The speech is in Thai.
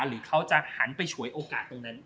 หรือเขาจะหันไปฉวยโอกาสตรงนั้น